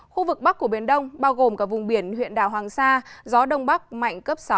khu vực bắc của biển đông bao gồm cả vùng biển huyện đảo hoàng sa gió đông bắc mạnh cấp sáu